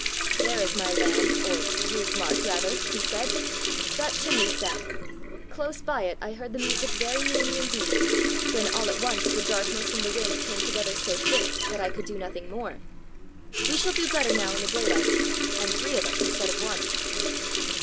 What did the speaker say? "There is my land , or roof mark rather!" he said, " that chimney stack! Close by it I heard the music very near me indeed when all at once the darkness and the wind came together so thick that I could do nothing more. We shall do better now in the daylight and three of us instead of one!"